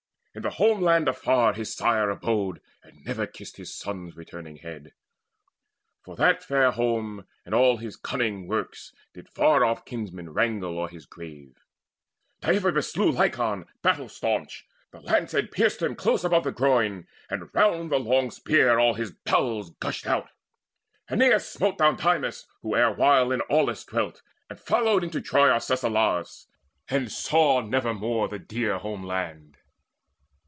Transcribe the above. In the home land afar the sire abode, And never kissed his son's returning head: For that fair home and all his cunning works Did far off kinsmen wrangle o'er his grave. Deiphobus slew Lycon battle staunch: The lance head pierced him close above the groin, And round the long spear all his bowels gushed out. Aeneas smote down Dymas, who erewhile In Aulis dwelt, and followed unto Troy Arcesilaus, and saw never more The dear home land.